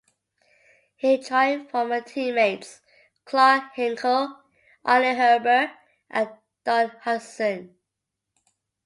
He joined former teammates Clarke Hinkle, Arnie Herber, and Don Hutson.